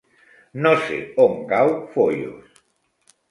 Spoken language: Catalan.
No sé on cau Foios.